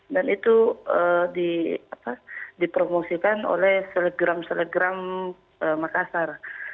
dan itu dipromosikan oleh selegram selegram makassar